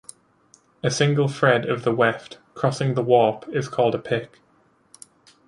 A single thread of the weft, crossing the warp, is called a "pick".